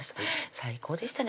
最高でしたね